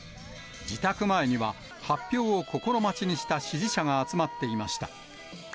自宅前には、発表を心待ちにした支持者が集まっていました。